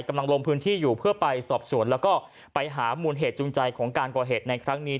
ลงพื้นที่อยู่เพื่อไปสอบสวนแล้วก็ไปหามูลเหตุจูงใจของการก่อเหตุในครั้งนี้